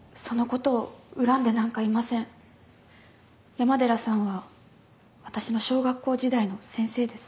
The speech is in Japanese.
山寺さんは私の小学校時代の先生です。